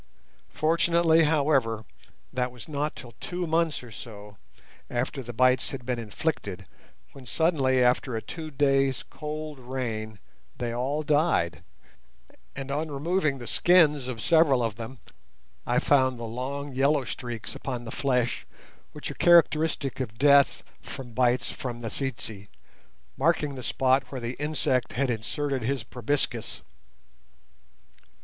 Fortunately, however, that was not till two months or so after the bites had been inflicted, when suddenly, after a two days' cold rain, they all died, and on removing the skins of several of them I found the long yellow streaks upon the flesh which are characteristic of death from bites from the tsetse, marking the spot where the insect had inserted his proboscis.